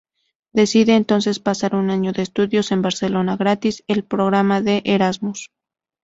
Decide, entonces, pasar un año de estudios en Barcelona gracias al programa Erasmus.